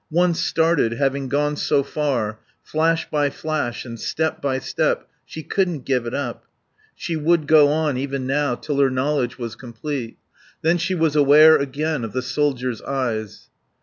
Once started, having gone so far, flash by flash and step by step, she couldn't give it up; she would go on, even now, till her knowledge was complete. Then she was aware again of the soldier's eyes.